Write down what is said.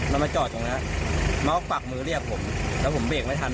มันมาจอดตรงนี้น้องกวักมือเรียกผมแล้วผมเบรกไม่ทัน